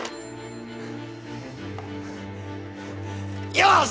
よし！